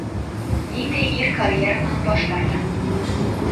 Ниндәй ир карьеранан баш тарта?